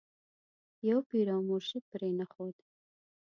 یو پیر او مرشد پرې نه ښود.